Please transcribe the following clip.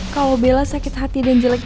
kalau bella sakit hati dan jelek